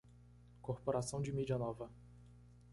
Corporação de mídia nova